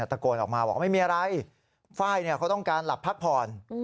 ตะโกนออกมาบอกไม่มีอะไรไฟล์เขาต้องการหลับพักผ่อน